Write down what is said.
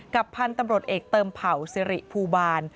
พันธุ์ตำรวจเอกเติมเผ่าสิริภูบาล